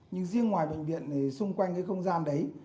nhưng riêng ngoài bệnh viện thì xung quanh cái không gian đấy